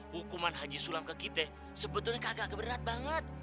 hukuman haji sulam ke kita sebetulnya kagak keberat banget